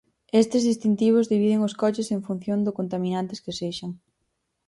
Estes distintivos dividen os coches en función do contaminantes que sexan.